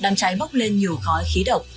đám cháy bốc lên nhiều khói khí độc